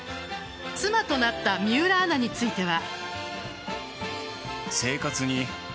妻となった水卜アナについては。